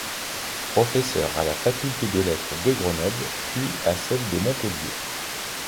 Professeur à la Faculté des lettres de Grenoble puis à celle de Montpellier.